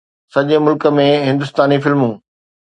سڄي ملڪ ۾ هندستاني فلمون